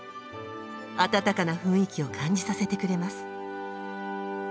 温かな雰囲気を感じさせてくれます。